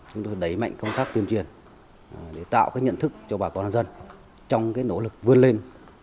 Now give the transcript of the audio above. chúng tôi đẩy mạnh công tác tiêm triển để tạo cái nhận thức cho bà con dân trong cái nỗ lực vươn lên